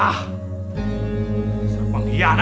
gak tau nih mas kayaknya salah sambung deh